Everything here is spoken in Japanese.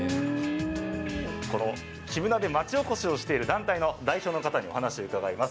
この黄ぶなで町おこしをしている団体の代表の方に、お話を伺います。